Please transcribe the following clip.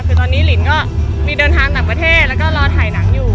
คือตอนนี้ลินก็มีเดินทางต่างประเทศแล้วก็รอถ่ายหนังอยู่